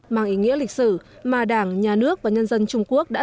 mang ý nghĩa lịch sử mà đảng nhà nước và nhân dân trung quốc đã